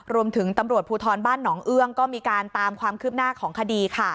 รวมถึงตำรวจภูทรบ้านหนองเอื้องก็มีการตามความคืบหน้าของคดีค่ะ